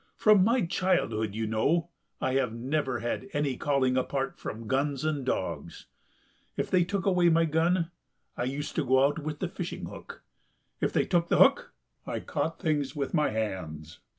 From my childhood, you know, I have never had any calling apart from guns and dogs. If they took away my gun, I used to go out with the fishing hook, if they took the hook I caught things with my hands.